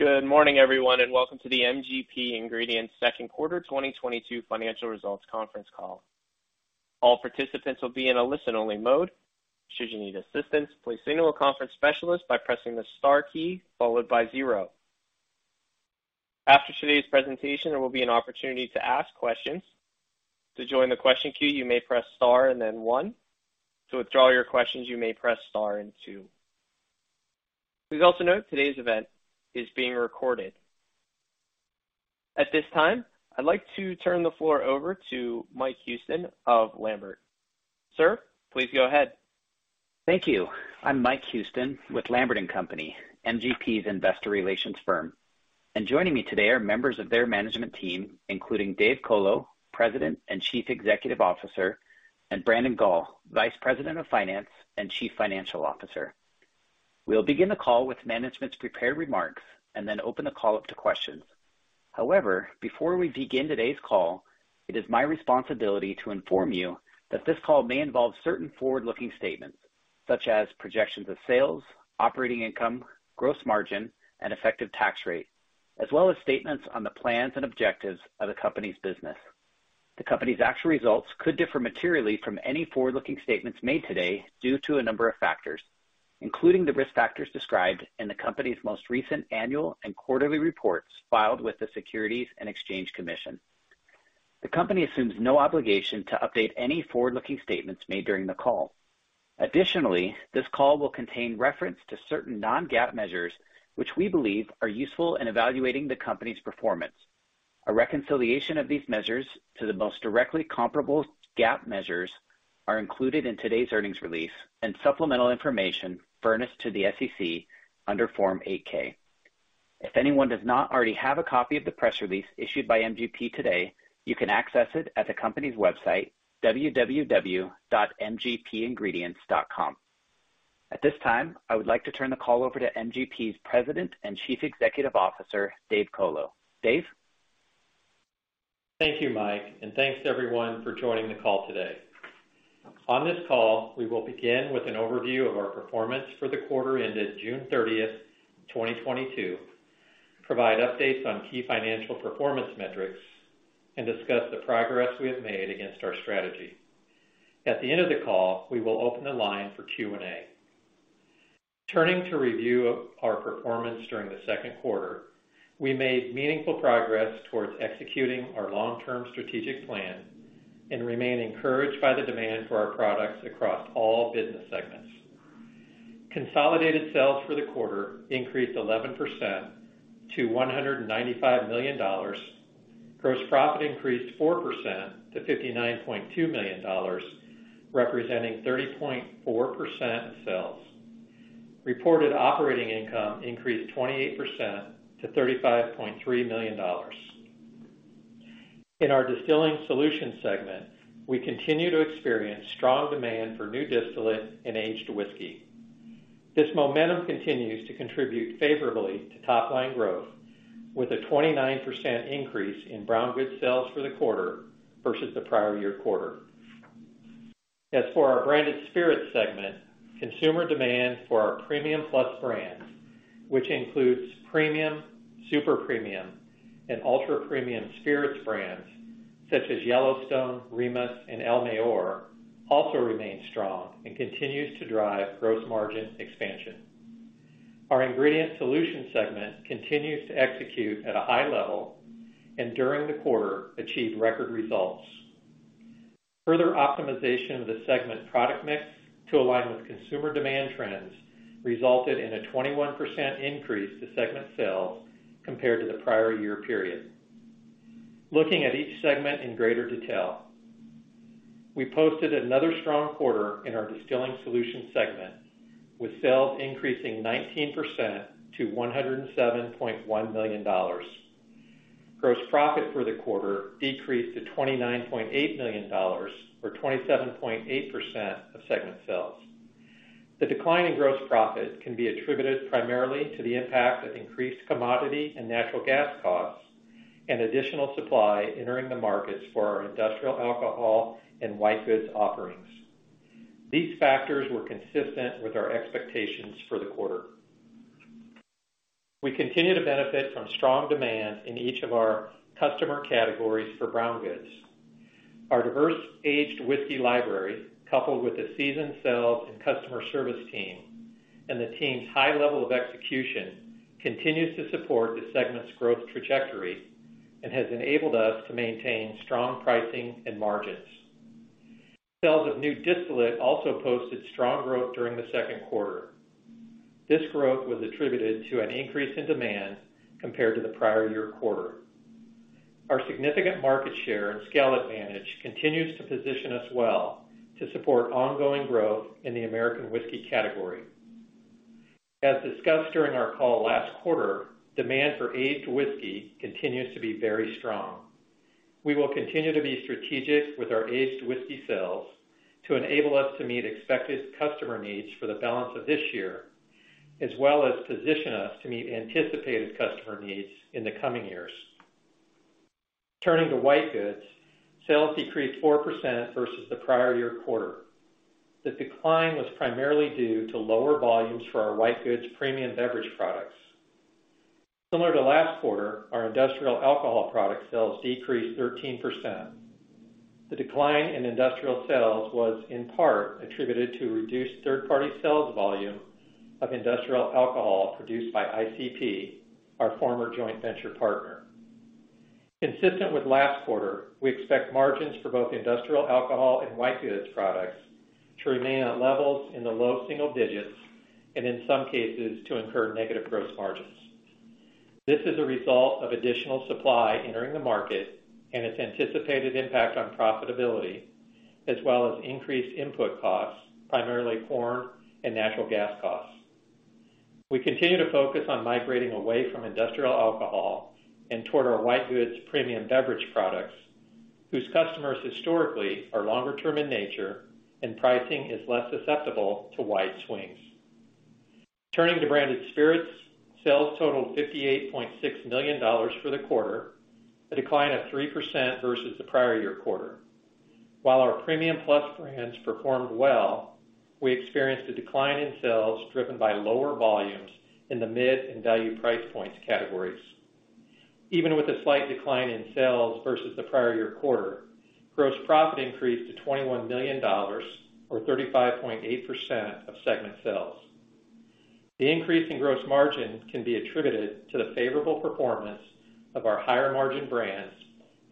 Good morning, everyone, and welcome to the MGP Ingredients Second Quarter 2022 Financial Results Conference Call. All participants will be in a listen-only mode. Should you need assistance, please signal a conference specialist by pressing the star key followed by zero. After today's presentation, there will be an opportunity to ask questions. To join the question queue, you may press star and then one. To withdraw your questions, you may press star and two. Please also note today's event is being recorded. At this time, I'd like to turn the floor over to Mike Houston of Lambert. Sir, please go ahead. Thank you. I'm Mike Houston with Lambert & Co., MGP's investor relations firm. Joining me today are members of their management team, including Dave Colo, President and Chief Executive Officer, and Brandon Gall, Vice President of Finance and Chief Financial Officer. We'll begin the call with management's prepared remarks and then open the call up to questions. However, before we begin today's call, it is my responsibility to inform you that this call may involve certain forward-looking statements such as projections of sales, operating income, gross margin, and effective tax rate, as well as statements on the plans and objectives of the company's business. The company's actual results could differ materially from any forward-looking statements made today due to a number of factors, including the risk factors described in the company's most recent annual and quarterly reports filed with the Securities and Exchange Commission. The company assumes no obligation to update any forward-looking statements made during the call. Additionally, this call will contain reference to certain non-GAAP measures which we believe are useful in evaluating the company's performance. A reconciliation of these measures to the most directly comparable GAAP measures are included in today's earnings release and supplemental information furnished to the SEC under Form 8-K. If anyone does not already have a copy of the press release issued by MGP today, you can access it at the company's website, www.mgpingredients.com. At this time, I would like to turn the call over to MGP's President and Chief Executive Officer, Dave Colo. Dave? Thank you, Mike, and thanks everyone for joining the call today. On this call, we will begin with an overview of our performance for the quarter ended June 30, 2022, provide updates on key financial performance metrics, and discuss the progress we have made against our strategy. At the end of the call, we will open the line for Q&A. Turning to review our performance during the second quarter, we made meaningful progress towards executing our long-term strategic plan and remain encouraged by the demand for our products across all business segments. Consolidated sales for the quarter increased 11% to $195 million. Gross profit increased 4% to $59.2 million, representing 30.4% in sales. Reported operating income increased 28% to $35.3 million. In our Distilling Solutions segment, we continue to experience strong demand for new distillate and aged whiskey. This momentum continues to contribute favorably to top line growth with a 29% increase in brown goods sales for the quarter versus the prior year quarter. As for our Branded Spirits segment, consumer demand for our premium plus brands, which includes premium, super premium, and ultra-premium spirits brands such as Yellowstone, Remus, and El Mayor, also remains strong and continues to drive gross margin expansion. Our Ingredient Solutions segment continues to execute at a high level and during the quarter achieved record results. Further optimization of the segment product mix to align with consumer demand trends resulted in a 21% increase to segment sales compared to the prior year period. Looking at each segment in greater detail. We posted another strong quarter in our Distilling Solutions segment, with sales increasing 19% to $107.1 million. Gross profit for the quarter decreased to $29.8 million or 27.8% of segment sales. The decline in gross profit can be attributed primarily to the impact of increased commodity and natural gas costs and additional supply entering the markets for our industrial alcohol and white goods offerings. These factors were consistent with our expectations for the quarter. We continue to benefit from strong demand in each of our customer categories for brown goods. Our diverse aged whiskey library, coupled with a seasoned sales and customer service team, and the team's high level of execution continues to support the segment's growth trajectory and has enabled us to maintain strong pricing and margins. Sales of new distillate also posted strong growth during the second quarter. This growth was attributed to an increase in demand compared to the prior year quarter. Our significant market share and scale advantage continues to position us well to support ongoing growth in the American whiskey category. As discussed during our call last quarter, demand for aged whiskey continues to be very strong. We will continue to be strategic with our aged whiskey sales to enable us to meet expected customer needs for the balance of this year, as well as position us to meet anticipated customer needs in the coming years. Turning to whitegoods, sales decreased 4% versus the prior year quarter. The decline was primarily due to lower volumes for our whitegoods premium beverage products. Similar to last quarter, our industrial alcohol product sales decreased 13%. The decline in industrial sales was in part attributed to reduced third-party sales volume of industrial alcohol produced by ICP, our former joint venture partner. Consistent with last quarter, we expect margins for both industrial alcohol and whitegoods products to remain at levels in the low single digits and in some cases, to incur negative gross margins. This is a result of additional supply entering the market and its anticipated impact on profitability, as well as increased input costs, primarily corn and natural gas costs. We continue to focus on migrating away from industrial alcohol and toward our whitegoods premium beverage products, whose customers historically are longer term in nature and pricing is less susceptible to wide swings. Turning to Branded Spirits, sales totaled $58.6 million for the quarter, a decline of 3% versus the prior year quarter. While our premium plus brands performed well, we experienced a decline in sales driven by lower volumes in the mid and value price points categories. Even with a slight decline in sales versus the prior year quarter, gross profit increased to $21 million, or 35.8% of segment sales. The increase in gross margins can be attributed to the favorable performance of our higher margin brands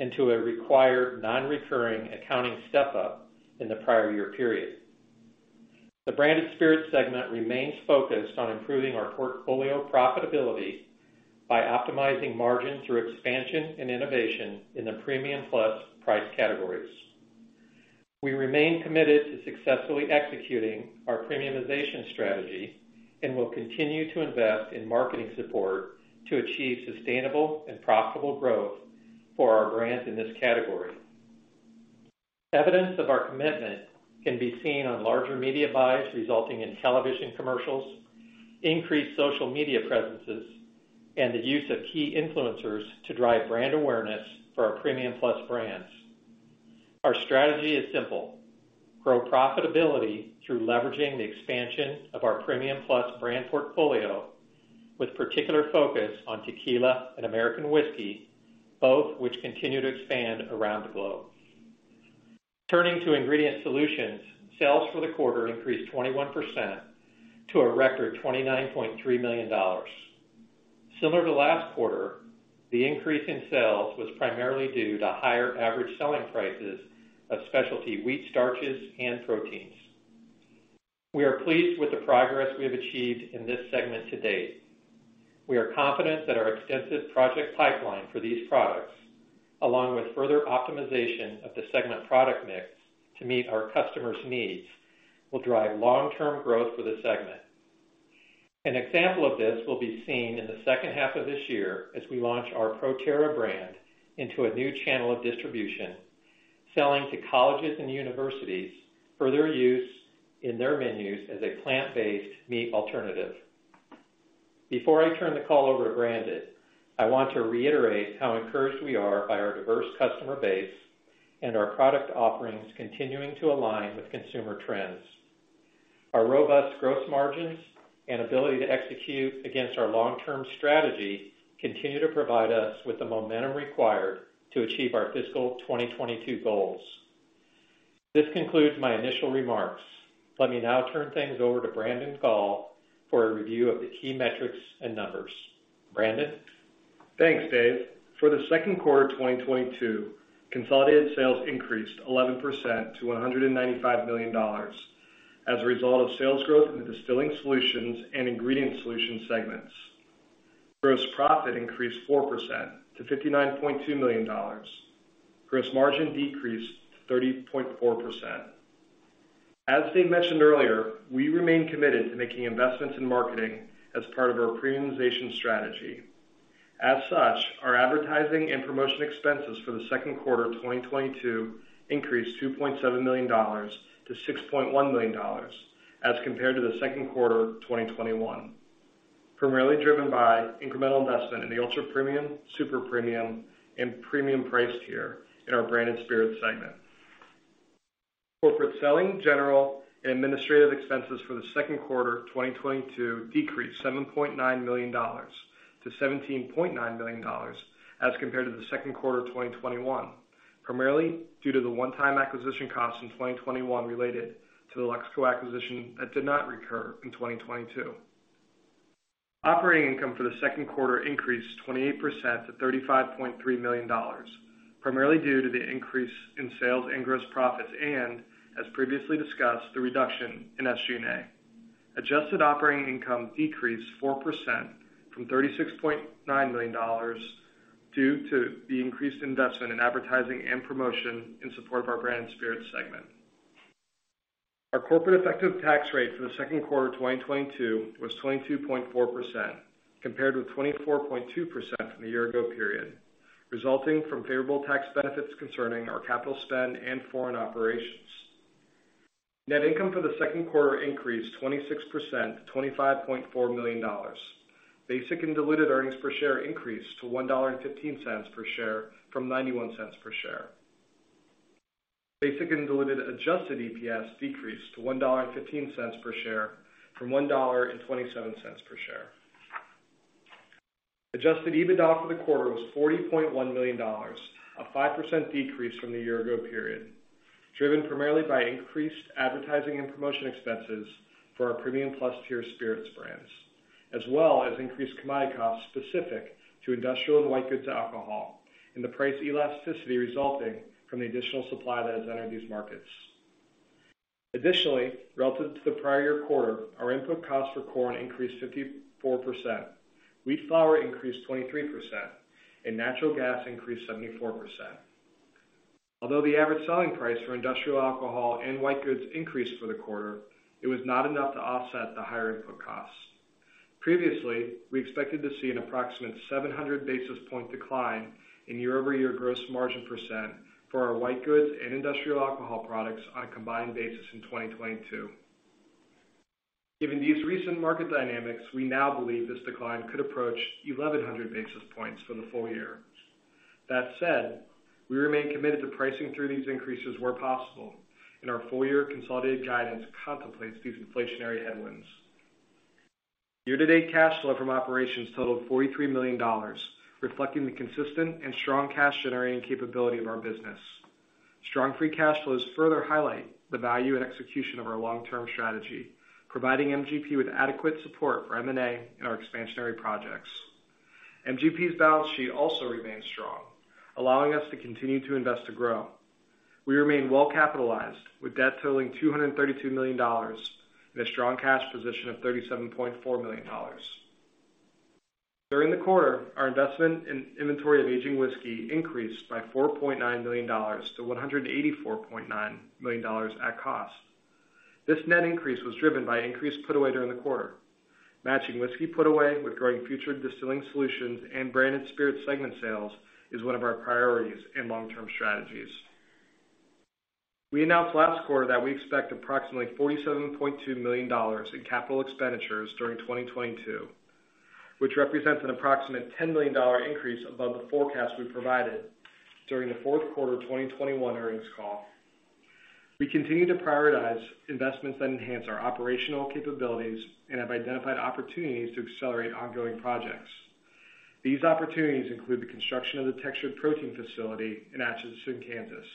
and to a required non-recurring accounting step-up in the prior year period. The Branded Spirits segment remains focused on improving our portfolio profitability by optimizing margins through expansion and innovation in the premium plus price categories. We remain committed to successfully executing our premiumization strategy, and will continue to invest in marketing support to achieve sustainable and profitable growth for our brands in this category. Evidence of our commitment can be seen on larger media buys resulting in television commercials, increased social media presences, and the use of key influencers to drive brand awareness for our premium plus brands. Our strategy is simple, grow profitability through leveraging the expansion of our premium plus brand portfolio with particular focus on tequila and American whiskey, both which continue to expand around the globe. Turning to Ingredient Solutions, sales for the quarter increased 21% to a record $29.3 million. Similar to last quarter, the increase in sales was primarily due to higher average selling prices of specialty wheat starches and proteins. We are pleased with the progress we have achieved in this segment to date. We are confident that our extensive project pipeline for these products, along with further optimization of the segment product mix to meet our customers' needs, will drive long-term growth for the segment. An example of this will be seen in the second half of this year as we launch our ProTerra brand into a new channel of distribution, selling to colleges and universities for their use in their menus as a plant-based meat alternative. Before I turn the call over to Brandon, I want to reiterate how encouraged we are by our diverse customer base and our product offerings continuing to align with consumer trends. Our robust gross margins and ability to execute against our long-term strategy continue to provide us with the momentum required to achieve our fiscal 2022 goals. This concludes my initial remarks. Let me now turn things over to Brandon Gall for a review of the key metrics and numbers. Brandon? Thanks, Dave. For the second quarter of 2022, consolidated sales increased 11% to $195 million as a result of sales growth in the Distilling Solutions and Ingredient Solutions segments. Gross profit increased 4% to $59.2 million. Gross margin decreased to 30.4%. As Dave mentioned earlier, we remain committed to making investments in marketing as part of our premiumization strategy. As such, our advertising and promotion expenses for the second quarter of 2022 increased $2.7 million to $6.1 million as compared to the second quarter of 2021, primarily driven by incremental investment in the ultra premium, super premium, and premium price tier in our Branded Spirits segment. Corporate selling, general, and administrative expenses for the second quarter of 2022 decreased $7.9 million to $17.9 million as compared to the second quarter of 2021, primarily due to the one-time acquisition costs in 2021 related to the Luxco acquisition that did not recur in 2022. Operating income for the second quarter increased 28% to $35.3 million, primarily due to the increase in sales and gross profits, and as previously discussed, the reduction in SG&A. Adjusted operating income decreased 4% from $36.9 million due to the increased investment in advertising and promotion in support of our Branded Spirits segment. Our corporate effective tax rate for the second quarter of 2022 was 22.4%, compared with 24.2% from the year-ago period, resulting from favorable tax benefits concerning our capital spend and foreign operations. Net income for the second quarter increased 26% to $25.4 million. Basic and diluted earnings per share increased to $1.15 per share from 91 cents per share. Basic and diluted adjusted EPS decreased to $1.15 per share from $1.27 per share. Adjusted EBITDA for the quarter was $40.1 million, a 5% decrease from the year ago period, driven primarily by increased advertising and promotion expenses for our premium plus tier spirits brands, as well as increased commodity costs specific to industrial and white goods alcohol, and the price elasticity resulting from the additional supply that has entered these markets. Additionally, relative to the prior year quarter, our input cost for corn increased 54%, wheat flour increased 23%, and natural gas increased 74%. Although the average selling price for industrial alcohol and white goods increased for the quarter, it was not enough to offset the higher input costs. Previously, we expected to see an approximate 700 basis point decline in year-over-year gross margin percent for our white goods and industrial alcohol products on a combined basis in 2022. Given these recent market dynamics, we now believe this decline could approach 1,100 basis points for the full year. That said, we remain committed to pricing through these increases where possible, and our full year consolidated guidance contemplates these inflationary headwinds. Year-to-date cash flow from operations totaled $43 million, reflecting the consistent and strong cash generating capability of our business. Strong free cash flows further highlight the value and execution of our long-term strategy, providing MGP with adequate support for M&A and our expansionary projects. MGP's balance sheet also remains strong, allowing us to continue to invest to grow. We remain well capitalized with debt totaling $232 million and a strong cash position of $37.4 million. During the quarter, our investment in inventory of aging whiskey increased by $4.9 million to $184.9 million at cost. This net increase was driven by increased put away during the quarter. Matching whiskey put away with growing future Distilling Solutions and Branded Spirits segment sales is one of our priorities and long-term strategies. We announced last quarter that we expect approximately $47.2 million in capital expenditures during 2022, which represents an approximate $10 million increase above the forecast we provided during the fourth quarter of 2021 earnings call. We continue to prioritize investments that enhance our operational capabilities and have identified opportunities to accelerate ongoing projects. These opportunities include the construction of the textured protein facility in Atchison, Kansas,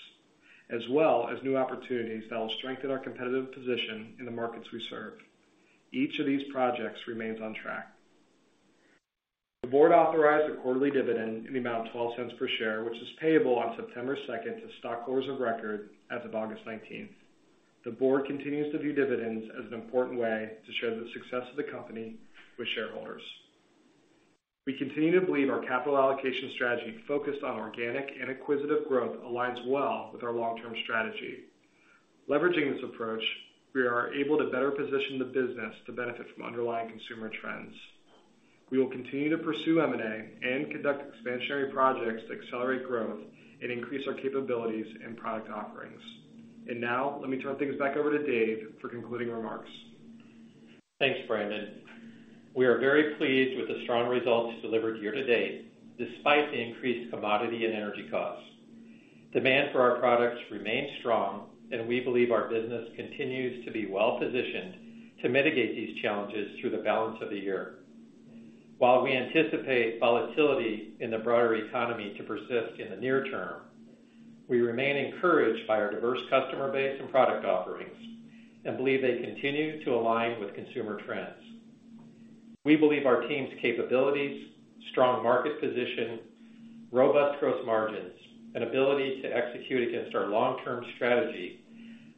as well as new opportunities that will strengthen our competitive position in the markets we serve. Each of these projects remains on track. The board authorized a quarterly dividend in the amount of $0.12 per share, which is payable on September second to stockholders of record as of August nineteenth. The board continues to view dividends as an important way to share the success of the company with shareholders. We continue to believe our capital allocation strategy focused on organic and acquisitive growth aligns well with our long-term strategy. Leveraging this approach, we are able to better position the business to benefit from underlying consumer trends. We will continue to pursue M&A and conduct expansionary projects to accelerate growth and increase our capabilities and product offerings. Now, let me turn things back over to Dave for concluding remarks. Thanks, Brandon. We are very pleased with the strong results delivered year-to-date despite the increased commodity and energy costs. Demand for our products remains strong, and we believe our business continues to be well-positioned to mitigate these challenges through the balance of the year. While we anticipate volatility in the broader economy to persist in the near term, we remain encouraged by our diverse customer base and product offerings and believe they continue to align with consumer trends. We believe our team's capabilities, strong market position, robust gross margins, and ability to execute against our long-term strategy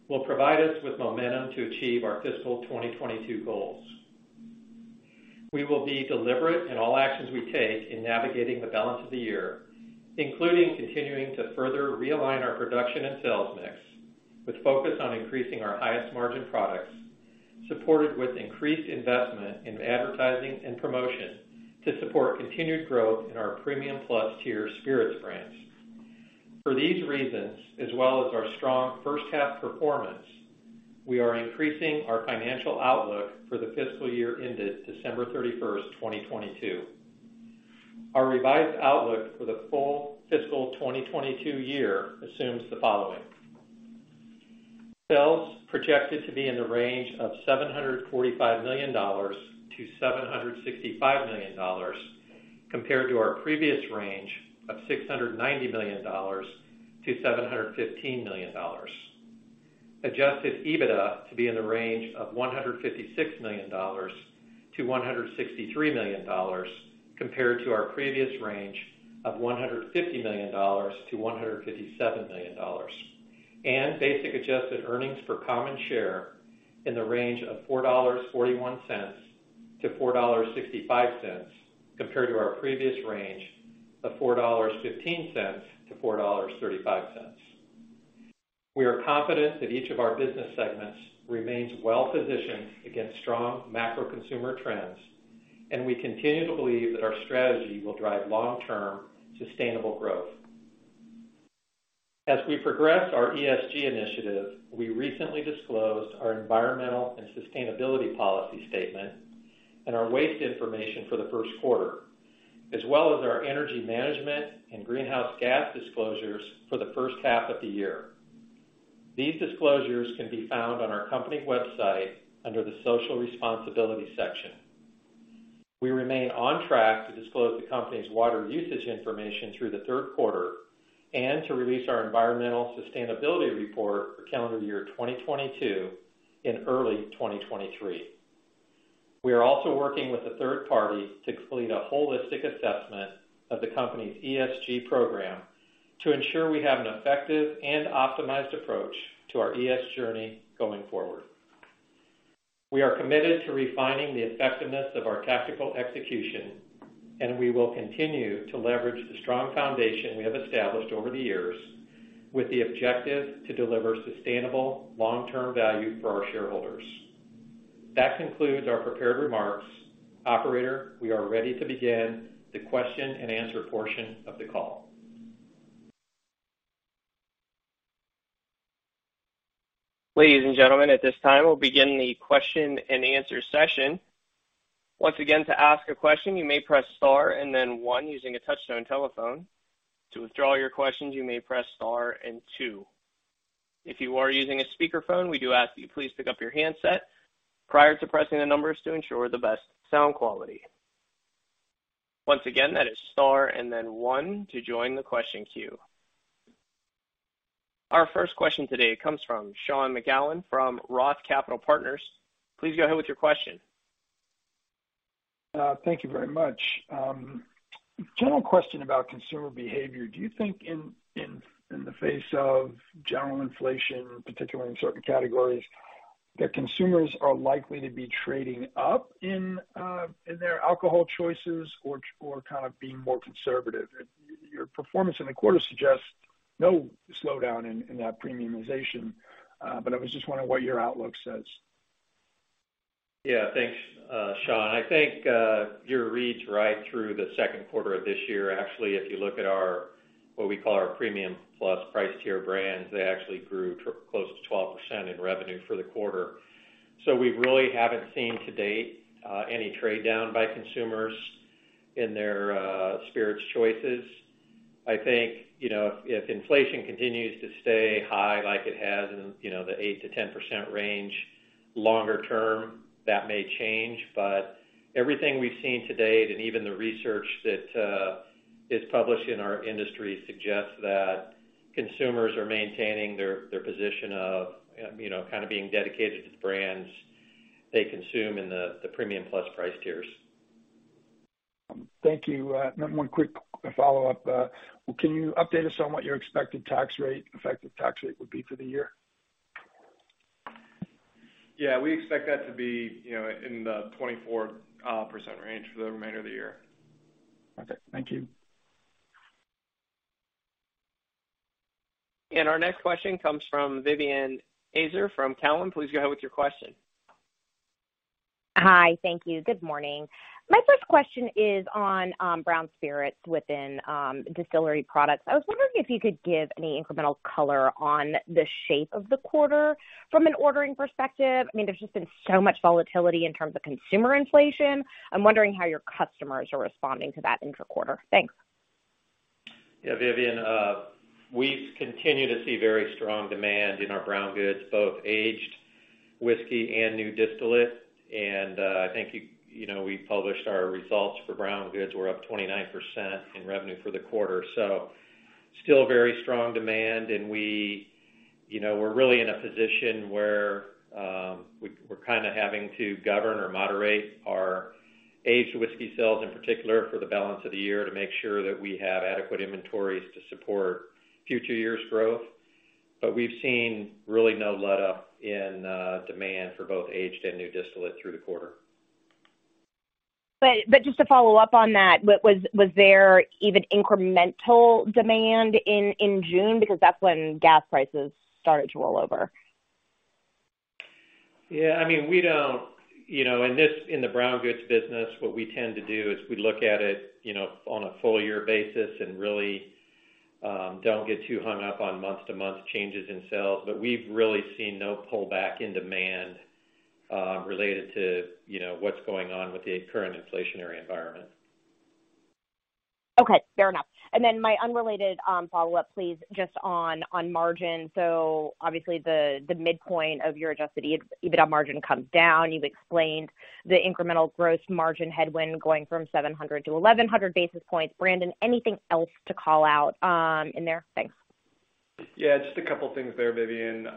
will provide us with momentum to achieve our fiscal 2022 goals. We will be deliberate in all actions we take in navigating the balance of the year, including continuing to further realign our production and sales mix with focus on increasing our highest margin products, supported with increased investment in advertising and promotion to support continued growth in our premium plus tier spirits brands. For these reasons, as well as our strong first half performance, we are increasing our financial outlook for the fiscal year ended December 31, 2022. Our revised outlook for the full fiscal 2022 year assumes the following. Sales projected to be in the range of $745 million-$765 million compared to our previous range of $690 million-$715 million. Adjusted EBITDA to be in the range of $156 million-$163 million compared to our previous range of $150 million-$157 million. Basic adjusted earnings for common share in the range of $4.41-$4.65 compared to our previous range of $4.15-$4.35. We are confident that each of our business segments remains well-positioned against strong macro consumer trends, and we continue to believe that our strategy will drive long-term sustainable growth. As we progress our ESG initiative, we recently disclosed our environmental and sustainability policy statement and our waste information for the first quarter, as well as our energy management and greenhouse gas disclosures for the first half of the year. These disclosures can be found on our company website under the Social Responsibility section. We remain on track to disclose the company's water usage information through the third quarter and to release our environmental sustainability report for calendar year 2022 in early 2023. We are also working with a third party to complete a holistic assessment of the company's ESG program to ensure we have an effective and optimized approach to our ESG journey going forward. We are committed to refining the effectiveness of our tactical execution, and we will continue to leverage the strong foundation we have established over the years with the objective to deliver sustainable long-term value for our shareholders. That concludes our prepared remarks. Operator, we are ready to begin the question-and-answer portion of the call. Ladies and gentlemen, at this time, we'll begin the question-and-answer session. Once again, to ask a question, you may press star and then one using a touch-tone telephone. To withdraw your questions, you may press star and two. If you are using a speakerphone, we do ask that you please pick up your handset prior to pressing the numbers to ensure the best sound quality. Once again, that is star and then one to join the question queue. Our first question today comes from Sean McGowan from Roth Capital Partners. Please go ahead with your question. Thank you very much. General question about consumer behavior. Do you think in the face of general inflation, particularly in certain categories, that consumers are likely to be trading up in their alcohol choices or kind of being more conservative? Your performance in the quarter suggests no slowdown in that premiumization, but I was just wondering what your outlook says. Yeah. Thanks, Sean. I think your read's right through the second quarter of this year. Actually, if you look at our, what we call our premium plus price tier brands, they actually grew close to 12% in revenue for the quarter. So we really haven't seen to date any trade down by consumers in their spirits choices. I think, you know, if inflation continues to stay high like it has in, you know, the 8%-10% range, longer term, that may change. But everything we've seen to date and even the research that is published in our industry suggests that consumers are maintaining their position of, you know, kind of being dedicated to the brands they consume in the premium plus price tiers. Thank you. One quick follow-up. Can you update us on what your expected tax rate, effective tax rate would be for the year? Yeah. We expect that to be, you know, in the 24% range for the remainder of the year. Okay. Thank you. Our next question comes from Vivien Azer from Cowen. Please go ahead with your question. Hi. Thank you. Good morning. My first question is on brown spirits within Distilling Solutions. I was wondering if you could give any incremental color on the shape of the quarter from an ordering perspective. I mean, there's just been so much volatility in terms of consumer inflation. I'm wondering how your customers are responding to that intra-quarter. Thanks. Yeah, Vivian, we continue to see very strong demand in our brown goods, both aged whiskey and new distillate. I think you know we published our results for brown goods. We're up 29% in revenue for the quarter. Still very strong demand. We, you know, we're really in a position where we're kind of having to govern or moderate our aged whiskey sales in particular for the balance of the year to make sure that we have adequate inventories to support future years' growth. We've seen really no letup in demand for both aged and new distillate through the quarter. Just to follow up on that, was there even incremental demand in June? Because that's when gas prices started to roll over. Yeah. I mean, we don't. You know, in this, in the brown goods business, what we tend to do is we look at it, you know, on a full year basis and really don't get too hung up on month-to-month changes in sales. We've really seen no pullback in demand, related to, you know, what's going on with the current inflationary environment. Okay. Fair enough. My unrelated follow-up please, just on margin. Obviously the midpoint of your adjusted EBITDA margin comes down. You've explained the incremental gross margin headwind going from 700-1100 basis points. Brandon, anything else to call out in there? Thanks. Yeah, just a couple of things there, Vivien.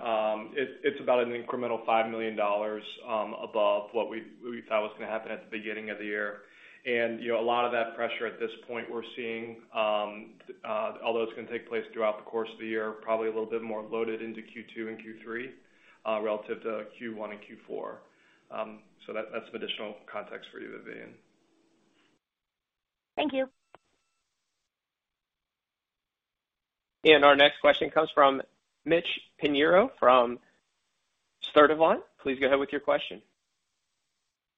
It's about an incremental $5 million above what we thought was gonna happen at the beginning of the year. You know, a lot of that pressure at this point we're seeing, although it's gonna take place throughout the course of the year, probably a little bit more loaded into Q2 and Q3 relative to Q1 and Q4. So that's some additional context for you, Vivien. Thank you. Our next question comes from Mitch Pinheiro from Sturdivant & Co., Inc. Please go ahead with your question.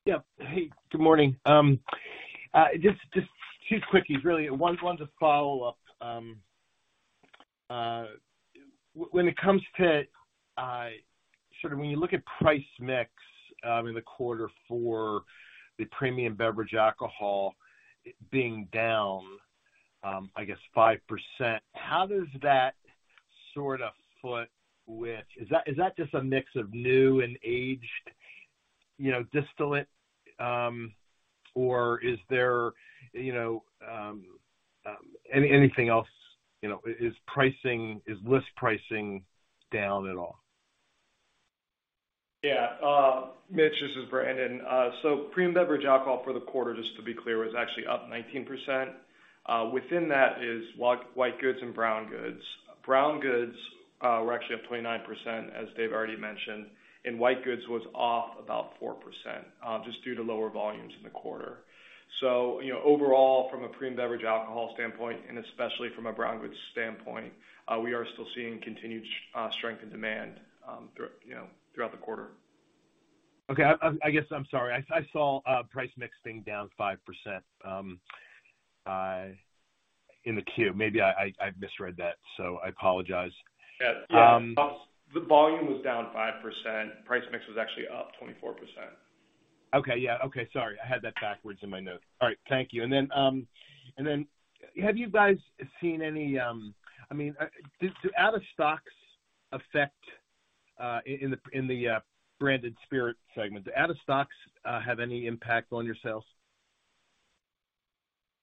Yeah. Hey, good morning. Just two quickies, really. One, wanted to follow up when it comes to sort of when you look at price mix in the quarter for the premium beverage alcohol being down, I guess 5%, how does that sort of fit with. Is that just a mix of new and aged, you know, distillate? Or is there, you know, anything else, you know? Is pricing, is list pricing down at all? Yeah. Mitch, this is Brandon. Premium beverage alcohol for the quarter, just to be clear, was actually up 19%. Within that is white goods and brown goods. Brown goods were actually up 29%, as Dave already mentioned, and white goods was off about 4%, just due to lower volumes in the quarter. Overall, from a premium beverage alcohol standpoint, and especially from a brown goods standpoint, we are still seeing continued strength and demand throughout, you know, throughout the quarter. Okay. I guess, I'm sorry. I saw price mixing down 5% in the Q. Maybe I misread that, so I apologize. Yeah. The volume was down 5%. Price mix was actually up 24%. Okay. Yeah. Okay, sorry. I had that backwards in my notes. All right. Thank you. I mean, did out of stocks affect in the Branded Spirits segment? Do out of stocks have any impact on your sales?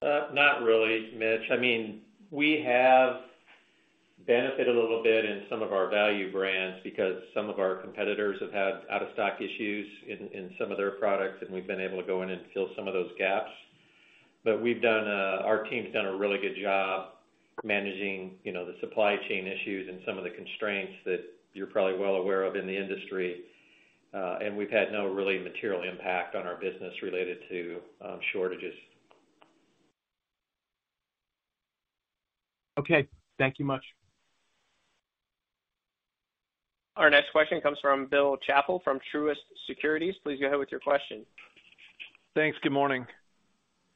Not really, Mitch. I mean, we have benefited a little bit in some of our value brands because some of our competitors have had out of stock issues in some of their products, and we've been able to go in and fill some of those gaps. We've done our team's done a really good job managing, you know, the supply chain issues and some of the constraints that you're probably well aware of in the industry. We've had no really material impact on our business related to shortages. Okay. Thank you much. Our next question comes from Bill Chappell from Truist Securities. Please go ahead with your question. Thanks. Good morning.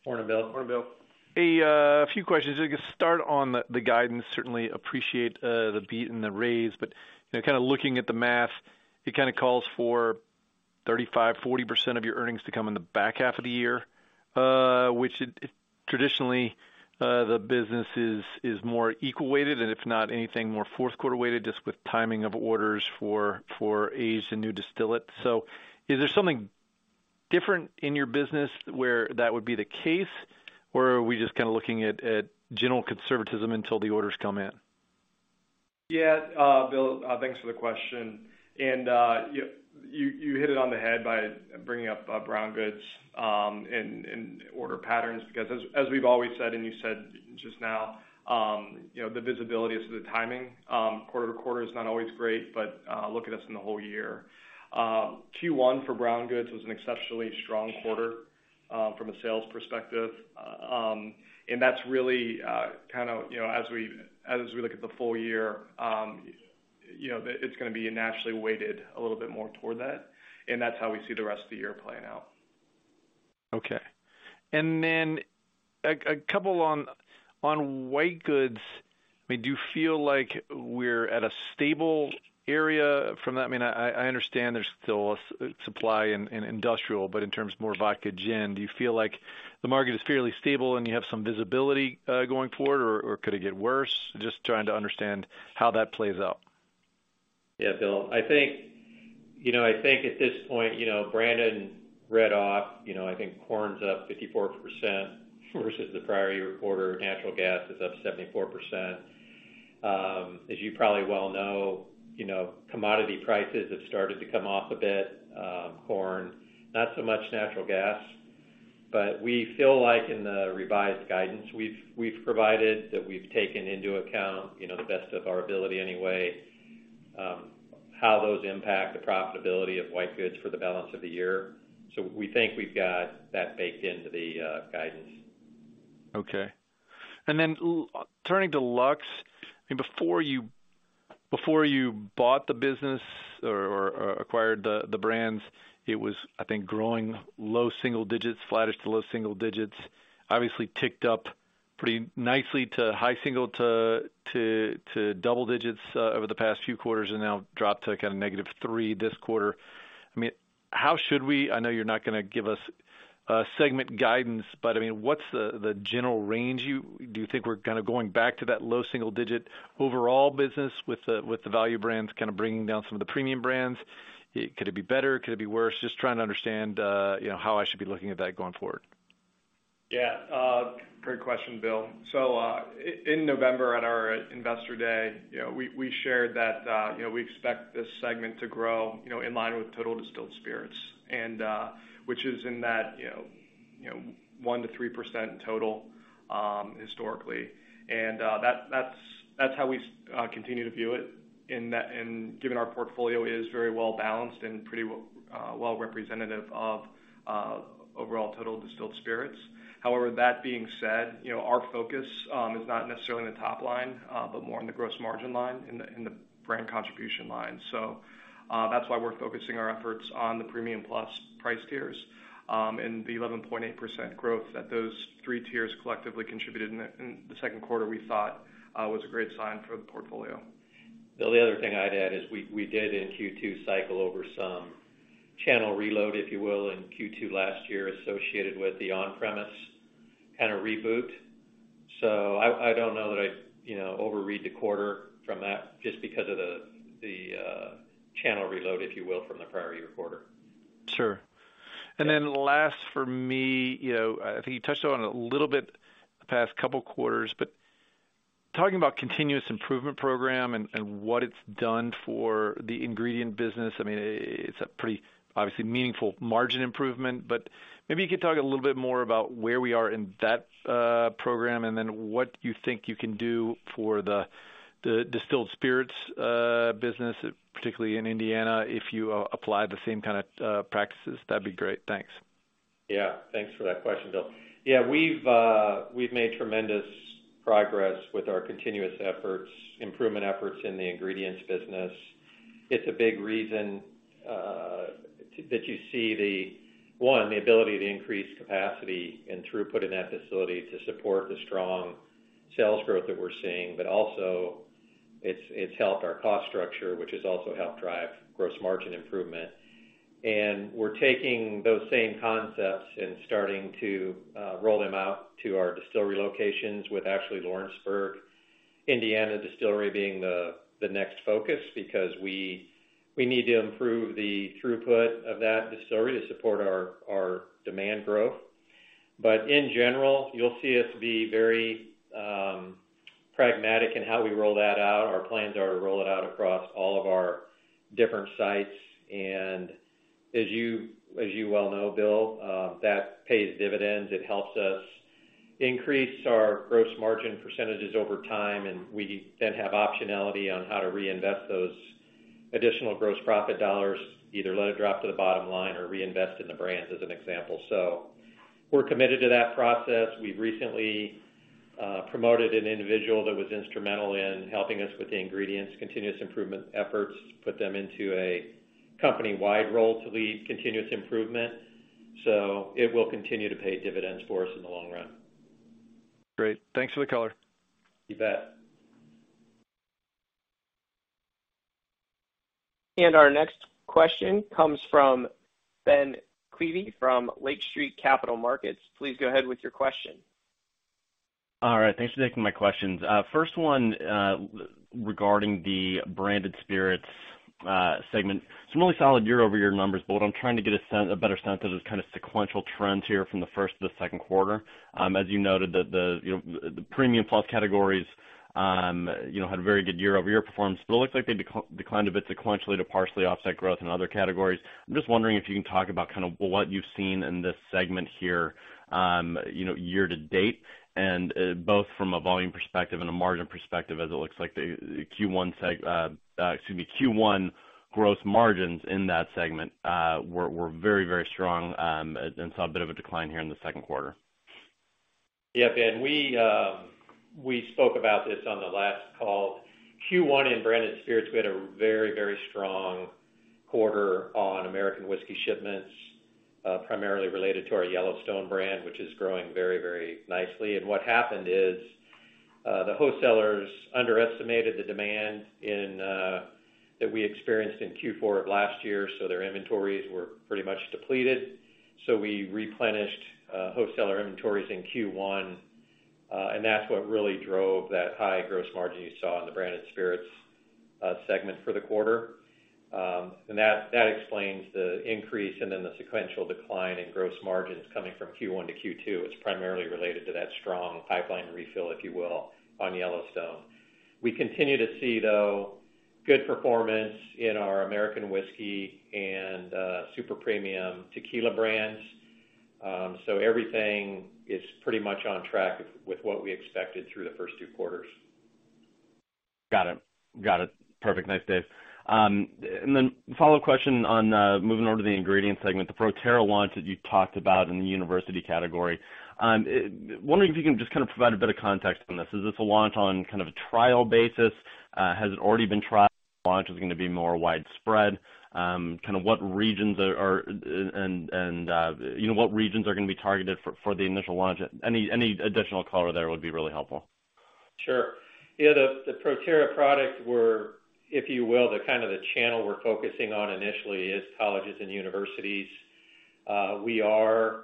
Morning, Bill. Morning, Bill. Few questions. I guess start on the guidance. Certainly appreciate the beat and the raise, but you know, kind of looking at the math, it kind of calls for 35%-40% of your earnings to come in the back half of the year. Which it traditionally the business is more equal weighted, and if not anything, more fourth quarter weighted, just with timing of orders for aged and new distillate. Is there something different in your business where that would be the case, or are we just kind of looking at general conservatism until the orders come in? Yeah. Bill, thanks for the question. You hit it on the head by bringing up brown goods and order patterns because as we've always said, and you said just now, you know, the visibility as to the timing quarter to quarter is not always great, but look at us in the whole year. Q1 for brown goods was an exceptionally strong quarter from a sales perspective. That's really kind of, you know, as we look at the full year, you know, it's gonna be naturally weighted a little bit more toward that, and that's how we see the rest of the year playing out. Okay. Then a couple on white goods. I mean, do you feel like we're at a stable area from that? I mean, I understand there's still supply in industrial, but in terms of more vodka, gin, do you feel like the market is fairly stable and you have some visibility going forward or could it get worse? Just trying to understand how that plays out. Yeah, Bill. I think, you know, I think at this point, you know, Brandon read off, you know, I think corn's up 54% versus the prior year quarter. Natural gas is up 74%. As you probably well know, you know, commodity prices have started to come off a bit, corn, not so much natural gas. But we feel like in the revised guidance we've provided, that we've taken into account, you know, the best of our ability anyway, how those impact the profitability of white goods for the balance of the year. So we think we've got that baked into the guidance. Okay. Turning to Luxco, I mean, before you bought the business or acquired the brands, it was, I mean, growing low single digits, flattish to low single digits. Obviously ticked up pretty nicely to high single-digit to double-digit over the past few quarters and now dropped to kind of -3% this quarter. I mean, how should we. I know you're not gonna give us segment guidance, but, I mean, what's the general range. Do you think we're kind of going back to that low single-digit overall business with the value brands kind of bringing down some of the premium brands? Could it be better? Could it be worse? Just trying to understand, you know, how I should be looking at that going forward. Yeah. Great question, Bill. In November at our investor day, you know, we shared that, you know, we expect this segment to grow, you know, in line with total distilled spirits and, which is in that, you know, 1%-3% total, historically. That's how we continue to view it in that, given our portfolio is very well balanced and pretty well representative of overall total distilled spirits. However, that being said, you know, our focus is not necessarily on the top line, but more on the gross margin line and the brand contribution line. That's why we're focusing our efforts on the premium plus price tiers, and the 11.8% growth that those three tiers collectively contributed in the second quarter we thought was a great sign for the portfolio. Bill, the other thing I'd add is we did in Q2 cycle over some channel reload, if you will, in Q2 last year associated with the on-premise kinda reboot. I don't know that I'd, you know, overread the quarter from that just because of the channel reload, if you will, from the prior year quarter. Sure. Then last for me, you know, I think you touched on it a little bit the past couple quarters, but talking about continuous improvement program and what it's done for the ingredient business, I mean, it's a pretty obviously meaningful margin improvement, but maybe you could talk a little bit more about where we are in that program and then what you think you can do for the distilled spirits business, particularly in Indiana, if you apply the same kinda practices. That'd be great. Thanks. Yeah. Thanks for that question, Bill. Yeah, we've made tremendous progress with our continuous improvement efforts in the ingredients business. It's a big reason that you see the ability to increase capacity and throughput in that facility to support the strong sales growth that we're seeing. Also, it's helped our cost structure, which has also helped drive gross margin improvement. We're taking those same concepts and starting to roll them out to our distillery locations with actually Lawrenceburg, Indiana distillery being the next focus because we need to improve the throughput of that distillery to support our demand growth. In general, you'll see us be very pragmatic in how we roll that out. Our plans are to roll it out across all of our different sites. As you well know, Bill, that pays dividends. It helps us increase our gross margin percentages over time, and we then have optionality on how to reinvest those additional gross profit dollars, either let it drop to the bottom line or reinvest in the brands, as an example. We're committed to that process. We've recently promoted an individual that was instrumental in helping us with the ingredients continuous improvement efforts, put them into a company-wide role to lead continuous improvement. It will continue to pay dividends for us in the long run. Great. Thanks for the color. You bet. Our next question comes from Ben Klieve from Lake Street Capital Markets. Please go ahead with your question. All right. Thanks for taking my questions. First one, regarding the Branded Spirits segment. Some really solid year-over-year numbers, but what I'm trying to get a better sense of is kind of sequential trends here from the first to the second quarter. As you noted that the, you know, the premium plus categories, you know, had very good year-over-year performance, but it looks like they declined a bit sequentially to partially offset growth in other categories. I'm just wondering if you can talk about kind of what you've seen in this segment here, you know, year to date, and both from a volume perspective and a margin perspective as it looks like the Q1 gross margins in that segment were very strong and saw a bit of a decline here in the second quarter. Yeah, Ben. We spoke about this on the last call. Q1 in Branded Spirits, we had a very, very strong quarter on American whiskey shipments, primarily related to our Yellowstone brand, which is growing very, very nicely. What happened is, the wholesalers underestimated the demand that we experienced in Q4 of last year, so their inventories were pretty much depleted. We replenished wholesaler inventories in Q1, and that's what really drove that high gross margin you saw in the Branded Spirits segment for the quarter. That explains the increase and then the sequential decline in gross margins coming from Q1 to Q2. It's primarily related to that strong pipeline refill, if you will, on Yellowstone. We continue to see, though, good performance in our American whiskey and super premium tequila brands. Everything is pretty much on track with what we expected through the first two quarters. Got it. Perfect. Thanks, Dave. A follow-up question on moving over to the ingredient segment, the ProTerra launch that you talked about in the university category. Wondering if you can just kind of provide a bit of context on this. Is this a launch on kind of a trial basis? Has it already been tried, is it gonna be more widespread? Kinda what regions are you know, what regions are gonna be targeted for the initial launch? Any additional color there would be really helpful. Sure. Yeah, the ProTerra product. We're, if you will, the kind of channel we're focusing on initially is colleges and universities. We have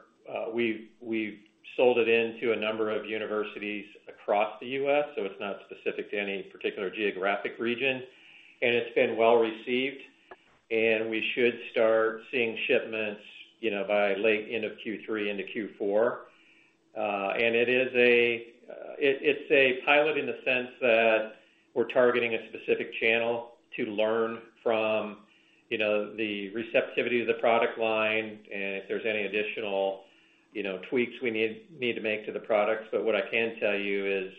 sold it into a number of universities across the U.S., so it's not specific to any particular geographic region, and it's been well-received, and we should start seeing shipments, you know, by late into Q3 into Q4. It is a pilot in the sense that we're targeting a specific channel to learn from, you know, the receptivity of the product line and if there's any additional, you know, tweaks we need to make to the product. But what I can tell you is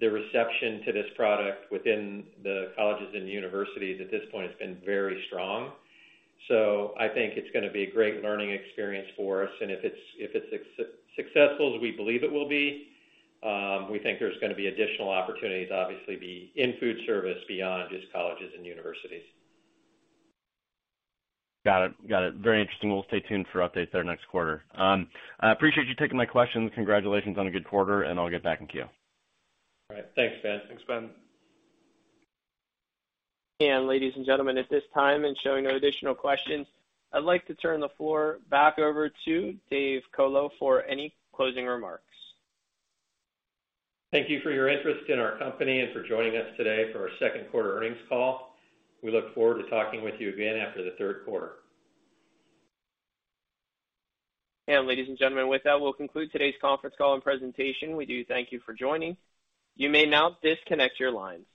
the reception to this product within the colleges and universities at this point has been very strong. I think it's gonna be a great learning experience for us. If it's successful as we believe it will be, we think there's gonna be additional opportunities, obviously be in food service beyond just colleges and universities. Got it. Very interesting. We'll stay tuned for updates there next quarter. I appreciate you taking my questions. Congratulations on a good quarter, and I'll get back to you. All right. Thanks, Ben. Thanks, Ben. Ladies and gentlemen, at this time and showing no additional questions, I'd like to turn the floor back over to Dave Colo for any closing remarks. Thank you for your interest in our company and for joining us today for our second quarter earnings call. We look forward to talking with you again after the third quarter. Ladies and gentlemen, with that, we'll conclude today's conference call and presentation. We do thank you for joining. You may now disconnect your lines.